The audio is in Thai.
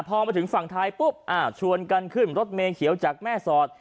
พอมาถึงฝั่งท้ายปุ๊บชวนกันขึ้นรถเมเขียวจากแม่สอด